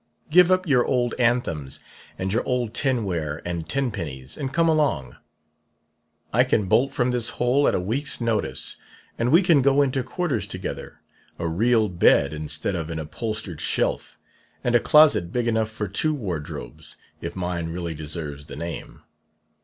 Give up your old anthems and your old tinware and tenpennies and come along. I can bolt from this hole at a week's notice, and we can go into quarters together: a real bed instead of an upholstered shelf, and a closet big enough for two wardrobes (if mine really deserves the name).